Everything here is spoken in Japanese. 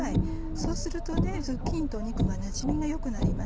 そうするとズッキーニと肉がなじみが良くなります。